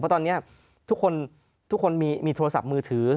เพราะตอนนี้ทุกคนมีโทรศัพท์มือถือ